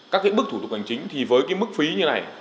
các cái bước thủ tục hành chính thì với cái mức phí như này